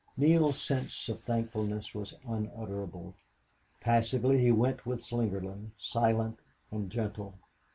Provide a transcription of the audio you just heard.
Neale's sense of thankfulness was unutterable. Passively he went with Slingerland, silent and gentle.